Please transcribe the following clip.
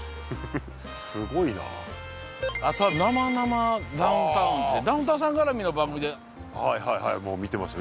あと「生生生生ダウンタウン」ってダウンタウンさん絡みの番組ではいはいはいもう見てました